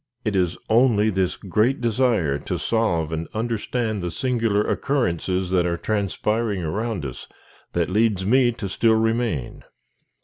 It is only this great desire to solve and understand the singular occurrences that are transpiring around us, that leads me to still remain.